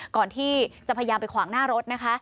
ก่อนที่จะพยายามไปขวางหน้ารถนะคะ